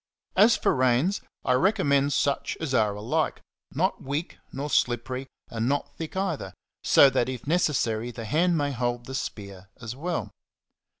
As for reins, I recommend such as are alike, not weak nor slippery and not thick either, so that if necessary the hand may hold the spear as well.